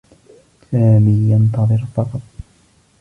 سامي ينتظر فقط.